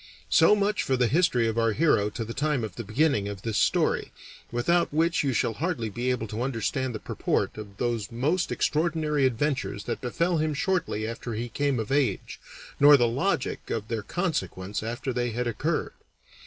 So much for the history of our hero to the time of the beginning of this story, without which you shall hardly be able to understand the purport of those most extraordinary adventures that befell him shortly after he came of age, nor the logic of their consequence after they had occurred.